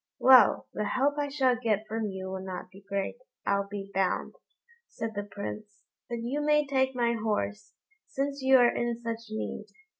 "Well! the help I shall get from you will not be great, I'll be bound," said the Prince; "but you may take my horse, since you are in such need."